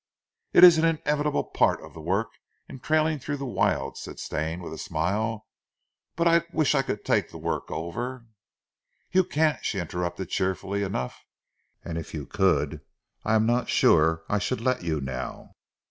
"It is an inevitable part of the work in trailing through the wilds," said Stane with a smile. "But I wish I could take the work over " "You can't," she interrupted cheerfully enough, "and if you could I am not sure I should let you now.